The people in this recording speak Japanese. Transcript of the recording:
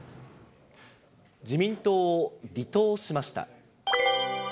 自民党を離党しました。